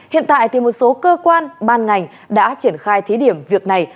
hiện tại một số cơ quan ban ngành đã triển khai thí điểm việc này